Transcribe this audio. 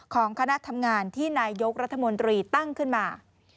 ของคณะทำงานที่นายยกรัฐมนตรีตั้งขึ้นมา